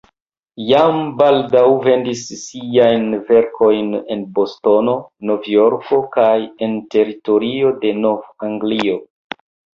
Jam baldaŭ vendis siajn verkojn en Bostono, Nov-Jorko kaj en teritorio de Nov-Anglio.